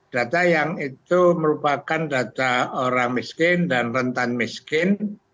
data yang itu merupakan data orang miskin dan rentan miskin